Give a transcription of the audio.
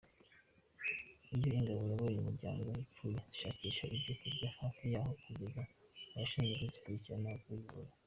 Iyo ingabo iyoboye umuryango ipfuye zishakisha ibyo kurya hafi yayo, kugeza abashinzwe kuzikurikirana bayibonye.